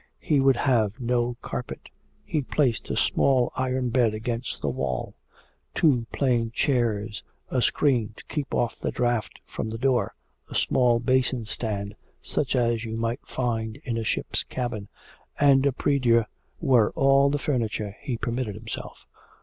He would have no carpet. He placed a small iron bed against the wall; two plain chairs, a screen to keep off the draught from the door, a small basin stand, such as you might find in a ship's cabin, and a prie dieu were all the furniture he permitted himself.